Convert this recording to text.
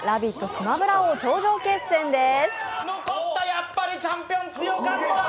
スマブラ王頂上決戦」です。